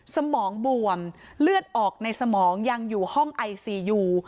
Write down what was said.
สมองบวมเลือดออกในสมองยังอยู่ห้องไอซียู